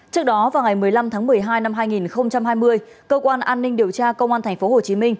trước đó vào ngày một mươi năm tháng một mươi hai năm hai nghìn hai mươi cơ quan an ninh điều tra công an tp hcm